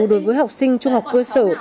đối với học sinh trung học cơ sở